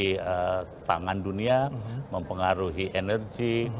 kepentingan pangan dunia mempengaruhi energi